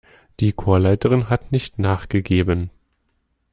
Die Chorleiterin hat nicht nachgegeben.